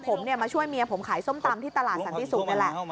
ผมมาช่วยเมียผมขายส้มตำที่ตลาดสันติศุกร์นั่นแหละ